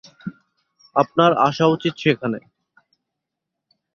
আপনার আসা উচিৎ সেখানে!